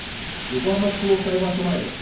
横浜地方裁判所前です。